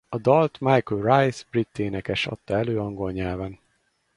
A dalt Michael Rice brit énekes adta elő angol nyelven.